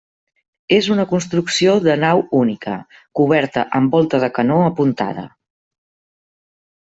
És una construcció de nau única, coberta amb volta de canó apuntada.